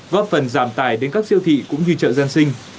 góp phần giảm tài đến các siêu thị cũng như chợ dân sinh